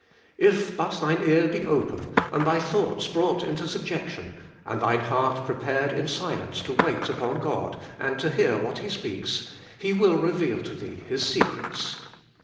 If but thine ear be open, and thy thoughts brought into subjection, and thine heart prepared in silence to wait upon God 5 and to hear what He speaks, He will reveal to thee His secrets.